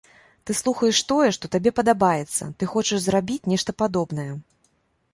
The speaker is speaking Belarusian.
Ты слухаеш тое, што табе падабаецца, ты хочаш зрабіць нешта падобнае.